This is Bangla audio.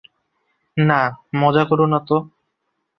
না, মজা কোরো না তো।